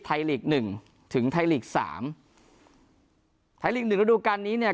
ไทลีก๑ถึงไทลีก๓ไทลีก๑รูดูการนี้เนี่ย